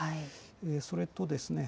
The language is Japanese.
それとですね。